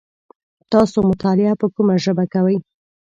تاسو مطالعه په کومه ژبه کوی ؟